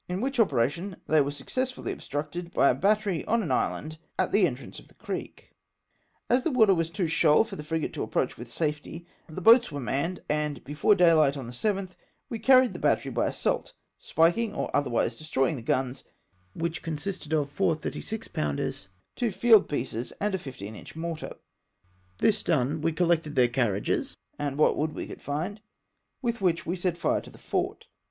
213 which operation they were successfully obstructed by a battery on an island at the entrance of the creek. As the water was too shoal for the frigate to approach with safety, the boats were manned, and before day light on the 7th we carried the battery by assault, spiking or otherwise destroying the guns, which con sisted of four 36 pounders, two field pieces, and a 1 3 inch mortar ; this done, we collected their carriages, and what wood we could find, with which we set fire to the fort.